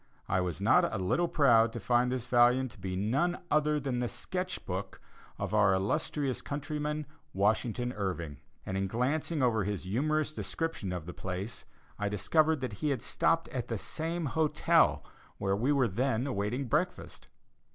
I was not a little proud to find this volume to be no other than the "Sketch Book" of our illustrious countryman, Washington Irving; and in glancing over his humorous description of the place, I discovered that he had stopped at the same hotel where we were then awaiting breakfast.